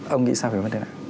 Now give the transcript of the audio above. ông nghĩ sao về vấn đề này